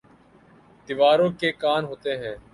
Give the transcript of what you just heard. دیواروں کے کان ہوتے ہیں